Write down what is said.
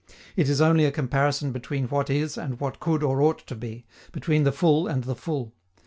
It is only a comparison between what is and what could or ought to be, between the full and the full.